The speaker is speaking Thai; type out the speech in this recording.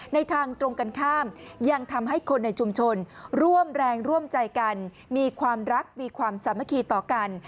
ในทางตรงกันข้ามยังทำให้คนในชุมชนร่วมแรงร่วมใจกันมีความรักมีความสามัคคีต่อกัน